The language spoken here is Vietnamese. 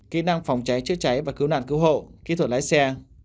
kỹ năng phòng cháy chữa cháy và cứu nạn cứu hộ kỹ thuật lái xe